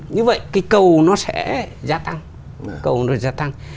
như vậy cái cầu nó sẽ gia tăng